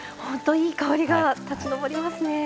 いい香りが立ち上りますね。